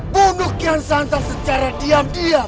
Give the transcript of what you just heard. bunuh kian santa secara diam diam